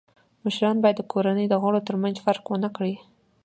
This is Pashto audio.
مشران باید د کورنۍ د غړو تر منځ فرق و نه کړي.